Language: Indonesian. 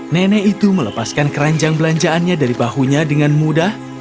nenek itu melepaskan keranjang belanjaannya dari bahunya dengan mudah